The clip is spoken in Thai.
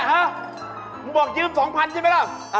คุณบอกยืมสองพันใช่ไหมล่ะ